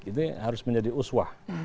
ini harus menjadi uswah